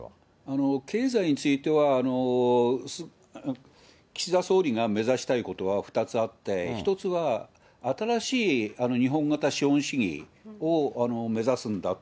経済については、岸田総理が目指したいことは２つあって、１つは、新しい日本型資本主義を目指すんだと。